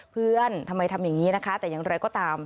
ทำไมทำอย่างนี้นะคะแต่อย่างไรก็ตาม